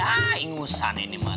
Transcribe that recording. ah ingusan ini mah tuh